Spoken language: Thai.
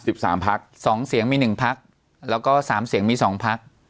สิบสามพักสองเสียงมีหนึ่งพักแล้วก็สามเสียงมีสองพัก